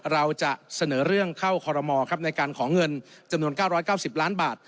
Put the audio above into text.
เราจะเสนอเรื่องเข้าคอรมอในการขอเงินจำนวน๙๙๐ล้านบาท